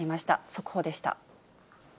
速報でした。